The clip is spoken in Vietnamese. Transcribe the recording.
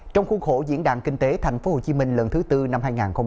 trong khuôn khổ diễn đàn kinh tế tp hcm lần thứ tư năm hai nghìn hai mươi